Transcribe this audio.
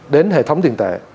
đến hệ thống tiền tệ